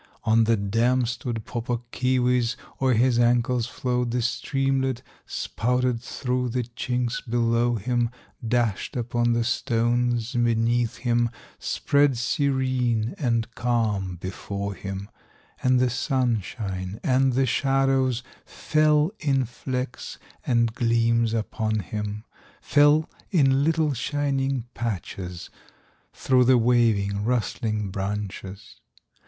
On the dam stood Pau Puk Keewis, O'er his ankles flowed the streamlet, Spouted through the chinks below him Dashed upon the stones beneath him Spread serene and calm before him, And the sunshine and the shadows Fell in flecks and gleams upon him, Fell in little shining patches, Through the waving, rustling branches.